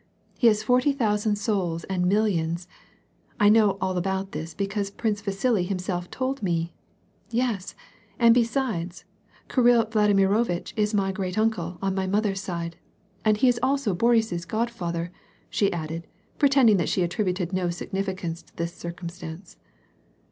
He has forty thousand souls and millions. I know all about this, because Prince Vasili him self told me. Yes, and besides, Kirill Vladimirovitch is my great uncle on my mother's side. And he is also Boris's godfather," she added, pretending that she attributed no significance to this circumstance.